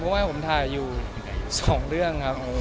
เพราะว่าผมถ่ายอยู่๒เรื่องครับ